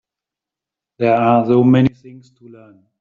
There are so many things to learn.